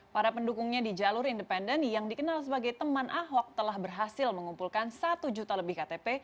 para pendukungnya di jalur independen yang dikenal sebagai teman ahok telah berhasil mengumpulkan satu juta lebih ktp